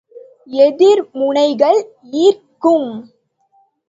எதிர் முனைகள் ஈர்க்கும்.